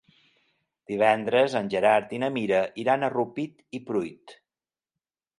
Divendres en Gerard i na Mira iran a Rupit i Pruit.